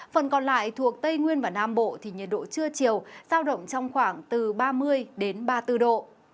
phần còn lại thuộc tây nguyên và nam bộ thì nhiệt độ trưa chiều giao động trong khoảng từ ba mươi đến ba mươi bốn độ